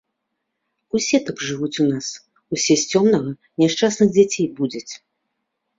Усе так жывуць у нас, усе з цёмнага няшчасных дзяцей будзяць.